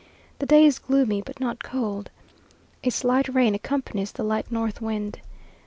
The day is gloomy but not cold. A slight rain accompanies the light north wind.